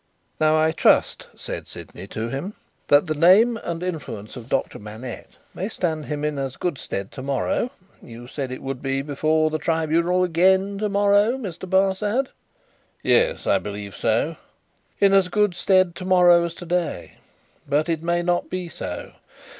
"Now, I trust," said Sydney to him, "that the name and influence of Doctor Manette may stand him in as good stead to morrow you said he would be before the Tribunal again to morrow, Mr. Barsad? " "Yes; I believe so." " In as good stead to morrow as to day. But it may not be so.